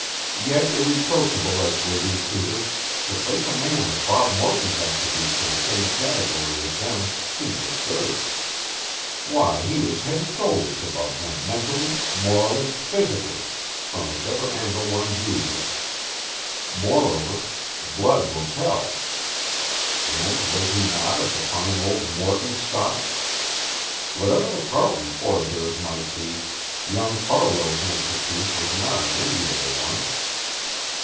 Yet irreproachable as were these suitors, to place a man of Bob Morton's attributes in the same category with them seemed absurd. Why, he was head and shoulders above them mentally, morally, physically, from whichever angle one viewed him. Moreover, blood will tell, and was he not of the fine old Morton stock? Whatever the Carlton forbears might be, young Farwell's ancestry was not an enviable one.